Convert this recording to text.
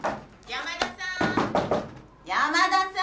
山田さん！